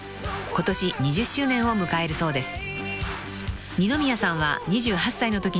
［今年２０周年を迎えるそうです］